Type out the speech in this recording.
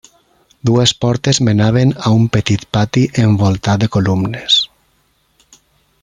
Dues portes menaven a un petit pati envoltat de columnes.